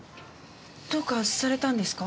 どうかされたんですか？